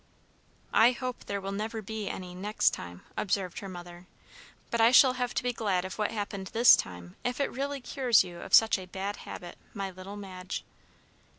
"I hope there will never be any 'next time,'" observed her mother; "but I shall have to be glad of what happened this time, if it really cures you of such a bad habit, my little Madge."